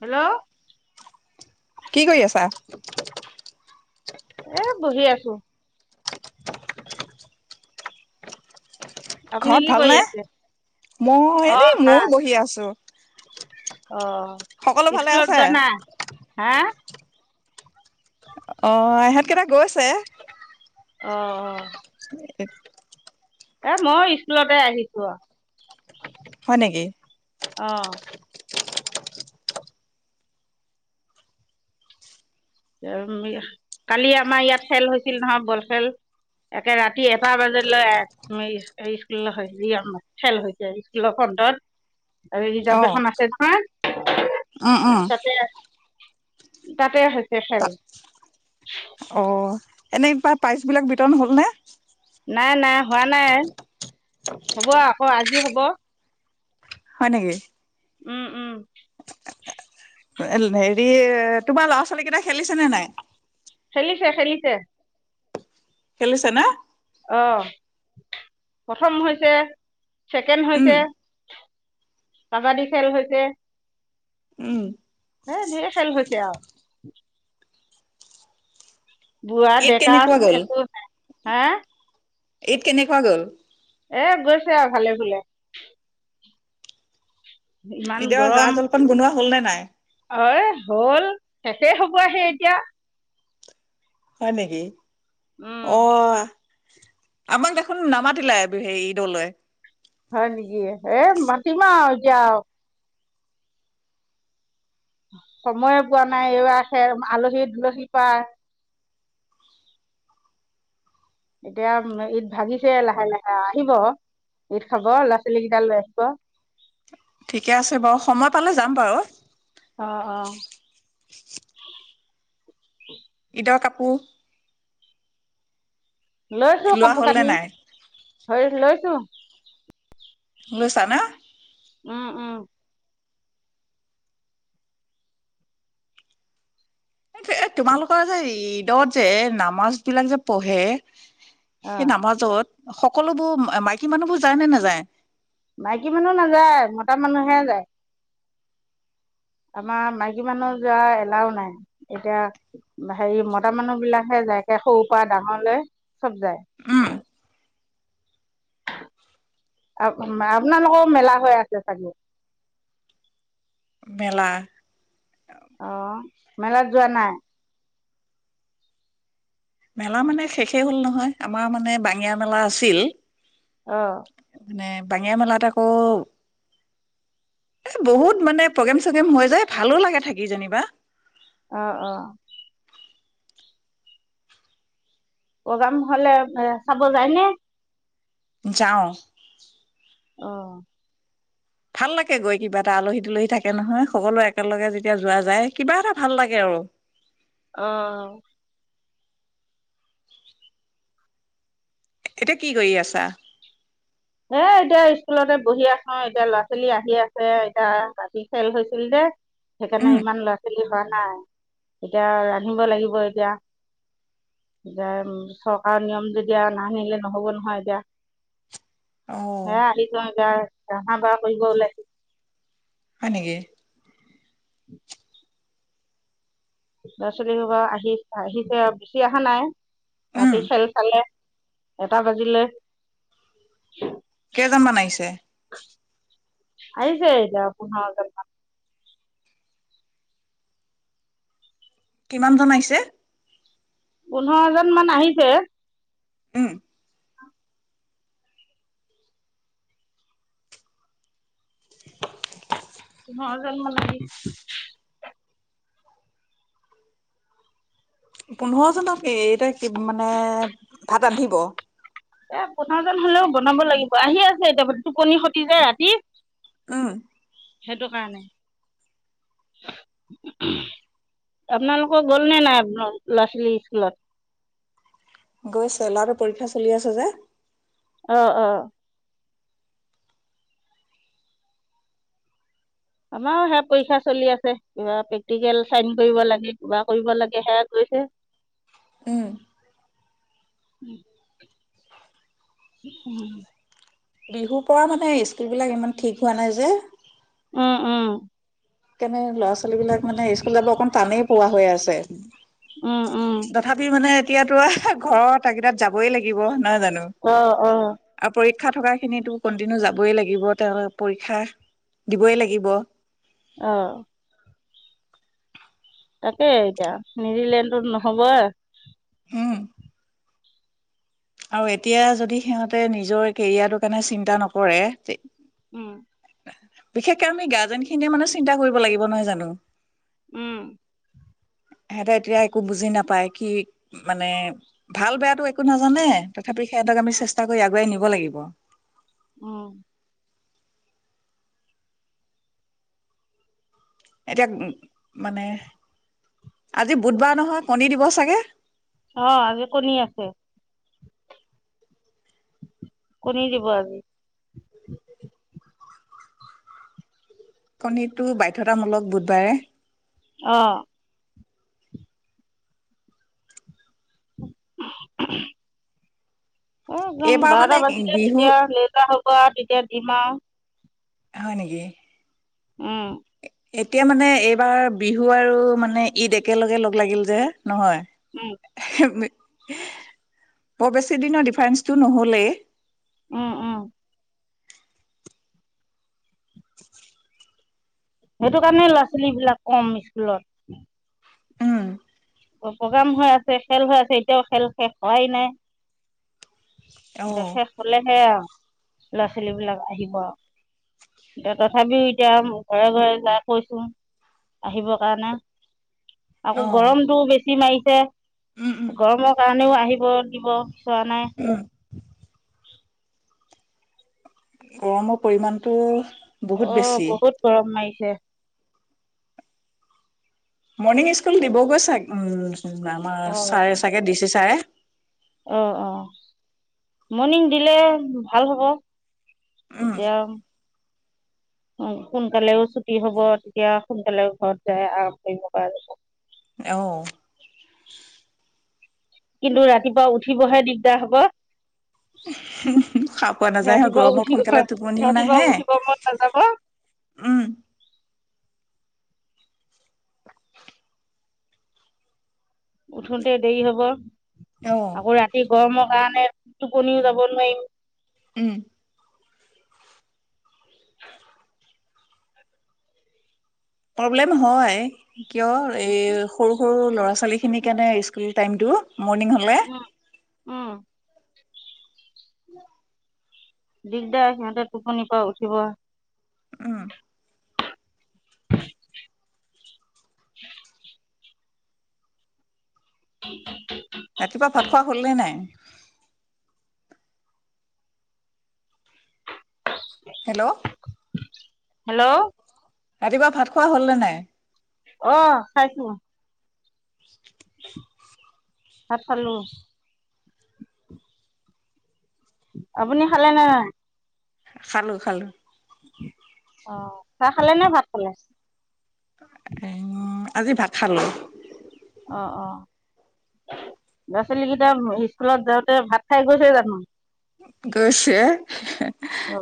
Hello. কি কৰি আছা। এ বহি আছো। আপুনি ঘৰত কি কৰি ভালনে। আছে মই অ এনেই ভাল ময়ও বহি আছো। অ', সকলো ভালে স্কুলত আছে? যোৱা না। হা। অ ইহঁত কেইটা গৈছে। অ', অ'। এক। এ মই স্কুলতে আহিছো অ'। হয় নেকি। অ'। [unintelligible] কালি আমাৰ ইয়াত খেল হৈছিল নহয় বল খেল। একে ৰাতি এটা বজালৈ [unintelligible] খেল হৈছে স্কুলৰ ফ্ৰন্টত। আৰু ৰিজাৰ্ভ অ' এখন আছে নহয়। উম, উম। তাতে তাতে হৈছ তাত [unintelligible] অ এনে পায় প্ৰাইজ বিলাক বিতৰণ হল নে। নাই নাই হোৱা নাই, হ'ব আকৌ আজি হ'ব। হয় নেকি। উম, উম। হেৰি তোমাৰ ল'ৰা ছোৱালী কেইটা খেলিছে নে নাই। খেলিছে-খেলিছে। খেলিছেনে। প্ৰথম হৈছে। ছেকেণ্ড উম, হৈছে। কাবাডী খেল হৈছে উম। হে ঢেৰ খেল হৈছে আৰু। বুঢ়া ঈদ ডেকা কেনেকুৱা একো নাই। হা? এইট্‌ কেনেকুৱা গ'ল? এ গৈছে আৰু ভালে ভুলে। ইমান এতিয়া জা-জলপান বনোৱা হ'ল নে নাই? অ' এ হ'ল। শেষেই হ'ব আহি এতিয়া! হয় নেকি? উম, অ'-আহ্ আমাক দেখোন নামাতিলায়ে বে-সেই ঈদলৈ? হয় নেকি? এ মাতিম আৰু এতিয়া আৰু। সময়ে পোৱা নাই এইবাৰ সে আলহী- দুলহীৰ পৰা। এতিয়া- ঈদ ভাগিছেই লাহে লাহে আৰু, আহিব, ঈদ খাব। ল'ৰা ছোৱালী কেইটা লৈ আহিব। ঠিকে আছে বাৰু সময় পালে যাম বাৰু। অ অ' [unintelligible] কাপোৰ লৈছো লোৱা কাপোৰ হ'ল নে কানি- নাই হৈ লৈছো। লৈছা ন? উম্‌ উম্‌' এইযে- তোমালোকৰ যে- ঈদত যে, নামাজ বিলাক যে পঢ়ে সেই নামাজত সকলোবোৰ মা- মাইকী মানুহবোৰ যায় নে নেযায়? মাইকী মানুহ নাযায়, মতা মানুহহে যায়। আমাৰ মাইকী মানুহ যোৱা এলাও নাই। এতিয়া- হেৰি মতা মানুহ বিলাকহে যায় একে সৰুৰ পৰা ডাঙৰলৈ চব যায়। উম্‌' আপ্‌- মা- আপোনালোকৰো মেলা হৈ আছে চাগৈ? মেলা অ'- মেলাত যোৱা নাই? মেলা মানে শেষেই হ'ল নহয়, আমাৰ মানে বাঙিয়া মেলা আছিল! অ' নে-বাঙিয়া মেলাত আকৌ- এ বহুত মানে প্ৰগ্ৰেম চগ্ৰেম হয় যে, ভালো লাগে থাকি যেনিবা! অ' অ' প্ৰগ্ৰাম হ'লে- চাব যায় নে? যাওঁ। অ' ভাল লাগে গৈ কিবা এটা আলহী দুলহী থাকে নহয় সকলোৱে একেলগে যেতিয়া যোৱা যায় কিবা এটা ভাল লাগে আৰু। অ' এতিয়া কি কৰি আছা? হে এতিয়া ইস্কুলতে বহি আছোঁ এতিয়া ল'ৰা ছোৱালী আহি আছে এতিয়া বাতি খেল হৈছিল দে! সেইকাৰণে উম ইমান ল'ৰা ছোৱালী [inaudible] হোৱা নাই? এতিয়া ৰান্ধিব লাগিব এতিয়া-এতিয়া চৰকাৰৰ নিয়ম যেতিয়া, নাৰান্ধিলে নহ'ব নহয় এতিয়া। অ হে আহিযোৱা গাৰ। অঃ হ বাপহৈ গৌলে। হয় নেকি? ল'ৰা ছোৱালীসোপা আহি আহিছে বেছি অহা নাই উম, ৰাতি চেলফালে এটা বাজিলে। কেইজনমান আহিছে? আহিছে দহ পোন্ধৰ জন মান। কিমান জন আহিছে? পোন্ধৰ জন মান আহিছে। উম। [inaudible] [unintelligible] পোন্ধৰজনকে এই তাই মানে ভাত? বান্ধিব। এ, পোন্ধৰজন হলেও বনাব লাগিব, আহি আছে এতিয়া টোপনি খটি যে ৰাতি। উম। সেইটো কাৰণে, আপোনালোকৰ গ'লনে নাই ল'ৰা-ছোৱালী স্কুলত? গৈছে, ল'ৰাটোৰ পৰীক্ষা চলি আছে যে। অ', অ'। আমাৰো সেয়া পৰীক্ষা চলি আছে, কিবা প্ৰেক্টিকেল চাইন কৰিব লাগে কিবা কৰিব লাগে সেয়া কৰিছে। উম। [inaudible] [inaudible] বিহুৰ পৰা মানে স্কুল বিলাক ইমান ঠিক হোৱা নাই যে। উম, উম। কেনে, ল'ৰা ছোৱালী বিলাক মানে স্কুলত ব অকন টানেই পোৱা হৈ আছে। উম উম তথাপি মানে এতিয়াতো আৰু ঘৰৰ তাগীদাত যাবৈ লাগিব। অ অ [unintelligible] শিক্ষা থকা খিনিটো কন্টিনিউ যাবই লাগিব, তেওঁ পৰীক্ষা দিবই লাগিব। অ'। তাকে এতিয়া, নিউজিলেণ্ডটোত নহ'ব। উম। আৰু এতিয়া যদি সিহঁতে নিজৰ কেৰিয়াৰটোৰ কাৰণে চিন্তা নকৰে তে উম। বিশেষকে আমি গাৰ্জেন খিনিয়ে মানে চিন্তা কৰিব লাগিব নহয় জানো? উম। সিহঁতে এতিয়া একো বুজি নাপায় কি মানে ভাল বেয়াাতটো একো নাজানে। তথাপি সিহতক আমি উম, চেষ্টা কৰি আগুৱাই নিম। ক'ব লাগিব। উম। এতিয়া উ, মানে আজি বুধবাৰ নহয় কণী দিব চাগে। অ' আজি কণী আছে, কণী দিব আজি। কণীটো বাধ্যতামূলক বুধবাৰে। অ [unintelligible] অ' যাম এইবাৰ মানে বাৰটা বাজিলে বিহু তেতিয়া [unintelligible] হ'ব আৰু তেতিয়া ইমান হয় নেকি? উম এতিয়া মানে এইবাৰ বিহু আৰু মানে ঈদ একেলগে লগ লাগিল যে নহয় উম! বৰ বেছি দিনৰ ডিফাৰেন্সটো নহলেই উম উম! [unintelligible] সেইটো কাৰণে ল'ৰা ছোৱালীবিলাক কম স্কুলত উম! প্ৰগেম হৈ আছে, খেল হৈ আছে এতিয়াও খেল শেষ হোৱাই নাই অ খেল শেষ হলেহে আৰু ল'ৰা ছোৱালী বিলাক আহিব আৰু এতিয়া তথাপিও এতিয়া ঘৰে ঘৰে যাই কৈছো আহিবৰ কাৰণে আকৌ অ গৰম বেছি মাৰিছে উম উম গৰমৰ কাৰণেও আহি আহিব। দিব চোৱা নাই উম গৰমৰ পৰিমাণটো! বহুত অ' বেছি বহুত গৰম মাৰিছে [unintelligible] মৰ্ণিং স্কুল দিবগৈ চাগে উ আমাৰ অ' ছাৰে চাগে ডি চি ছাৰে অ অ মৰ্ণিং দিলে ভাল হ'ব উম এতিয়া সোনকালেও ছুটি হব তেতিয়া সোনকালেও ঘৰত যাই আৰাম কৰিব পৰা যাব। অ কিন্তু ৰাতিপুৱা উঠিবহে দিগদাৰ হব। শাৰ পোৱা নাযায় ৰাতিপুৱা গৰমত উঠিব সোনকালে টোপনিও ৰাতিপুৱা নাহে। উঠিব মন নাযাব উম'। উঠোঁতে দেৰি হব অ আকৌ ৰাতি গৰমত কাৰণে টোপনিও যাব নোৱাৰিম। উম'। প্ৰব্লেম হয় কিয় এই সৰু সৰু ল'ৰা ছোৱালী সিমি কেনে স্কুল টাইমটো মৰ্ণিং হলে উম, উম'। দিগদাৰ সিহঁতে টোপনি পৰাা উঠিব উম'। [inaudible] [unintelligible] ৰাতিপুৱা ভাত খোৱা হল নে নাই? হেল্ল'। হেল্ল'। ৰাতিপুৱা ভাত খোৱা হল নে নাই? অ' খাইছো [unintelligible] ভাত খালো। আপুনি খালে নে নাই খালো খালো। অ' চাহ খালে নে ভাত খালে এই আজি ভাত খালো অ' অ' ল'ৰা ছোৱালীকেইটাটা স্কুলত যাওঁতে ভাত খাই গৈছে জানো গোচ অ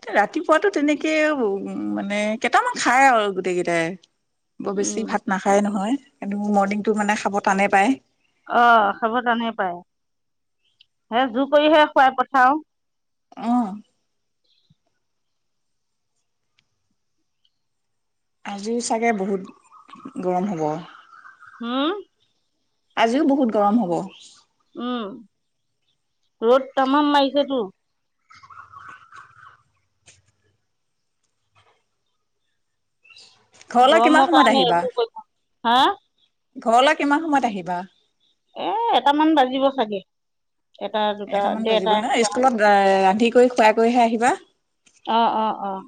এয়া ৰাতিপুৱাতো তেনেকেই উ মানে কেইটামান খাই আৰু গোটেই কেইটাই, বৰ বেছি উম ভাত নাখায় নহয় কিু মৰ্ণিংতটো মানে খাব টানে পায়। অ' খাব তানে পায় সে জোৰ কৰিহে খোৱাই পঠাও অ' আজি চাগে বহুত গৰম হ'ব। হম। আজিও বহুত গৰম হ'ব উম। ৰ'ড তামাম মাৰিছে তোৰ ঘৰলৈ কিমান গৰমৰ সময়ত কাৰণে আহিবা? একো কৰিব হা? ঘৰলৈ কিমান সময়ত আহিবা? এ এটামান বাজিব চাগে। এটা দুটা এটামান দেৰটা বাজিব ন' এনেকুৱা। স্কুলত অ', ৰান্ধি কৰি খুৱাই বোৱাই হে আহিবা। অ', অ', অ'।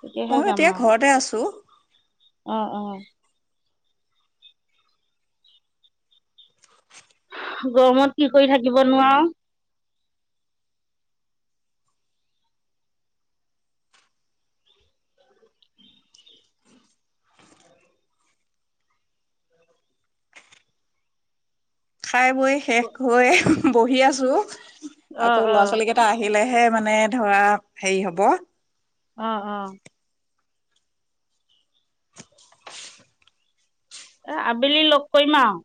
তেতিয়াহে ময়ো যাম এতিয়া আৰু ঘৰতে আছো। অ', অ'। গৰমত কি কৰি থাকিব নোৱাওঁ। খাই বৈ শেষ হৈ বহি আছোঁ। অ আকৌ অ ল'ৰা-ছোৱালী কেইটা আহিলেহে মানে ধৰা হেৰি হ'ব। অ', অ'। এ, আবেলি লগ কৰিম আওঁ।